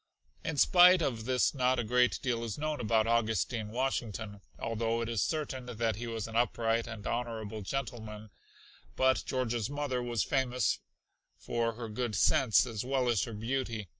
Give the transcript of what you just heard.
In spite of this not a great deal is known about Augustine Washington, although it is certain that he was an upright and honorable gentleman, but George's mother was famous for her good sense as well as her beauty.